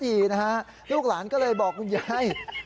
ดีนะฮะลูกหลานก็เลยบอกคุณยาย